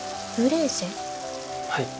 はい。